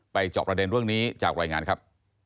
จอบประเด็นเรื่องนี้จากรายงานครับ